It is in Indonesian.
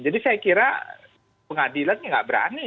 jadi saya kira pengadilan ini nggak berani